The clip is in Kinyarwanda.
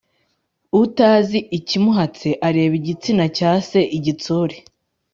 Utazi ikimuhatse ,areba igitsina cya se igitsure